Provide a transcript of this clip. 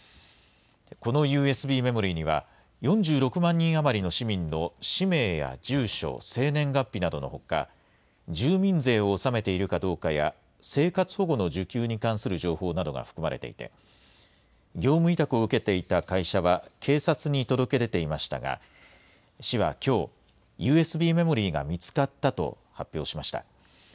このＵＳＢメモリーには、４６万人余りの市民の氏名や住所、生年月日などのほか、住民税を納めているかどうかや、生活保護の受給に関する情報などが含まれていて、業務委託を受けていた会社は、警察に届け出ていましたが、市はきょう、ＵＳＢメモリーが見つかったと発表しました。